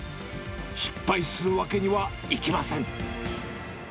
失敗するわけにはいきません。